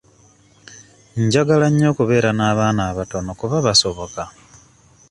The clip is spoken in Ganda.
Njagala nnyo okubeera n'abaana abatono kuba basoboka.